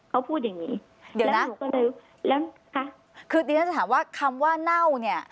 เขาพูดอย่างนี้เดี๋ยวนะแล้วคือดินจะถามว่าคำว่าเน่าเนี่ย